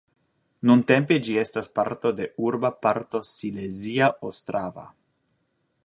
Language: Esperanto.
Nuntempe ĝi estas parto de urba parto Silezia Ostrava.